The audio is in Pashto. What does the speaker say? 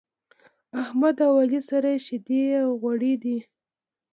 احمد او علي سره شيدې او غوړي دی.